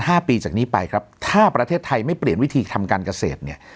ห้าปีจากนี้ไปครับถ้าประเทศไทยไม่เปลี่ยนวิธีทำการเกษตรเนี่ย